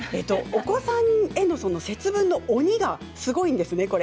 お子さんへの節分の鬼がすごいんです。